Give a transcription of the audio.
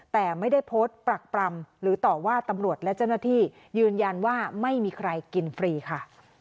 แต่ไม่ได้โพสต์ปรักปรำหรือต่อว่าตำรวจและเจ้าหน้าที่ยืนยันว่าไม่มีใครกินฟรีค่ะ